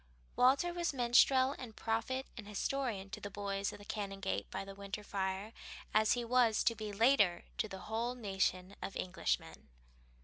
Walter was minstrel and prophet and historian to the boys of the Canongate by the winter fire, as he was to be later to the whole nation of Englishmen.